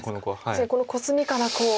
確かにこのコスミから一気に。